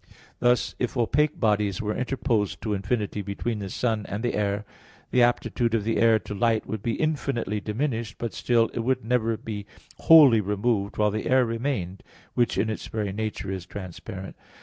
Thus, if opaque bodies were interposed to infinity between the sun and the air, the aptitude of the air to light would be infinitely diminished, but still it would never be wholly removed while the air remained, which in its very nature is transparent.